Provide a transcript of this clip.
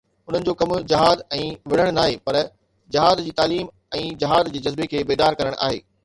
انهن جو ڪم جهاد ۽ وڙهڻ ناهي، پر جهاد جي تعليم ۽ جهاد جي جذبي کي بيدار ڪرڻ آهي.